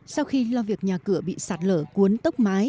sau khi lo việc nhà cửa bị sạt lở cuốn tốc mái